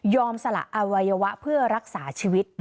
สละอวัยวะเพื่อรักษาชีวิต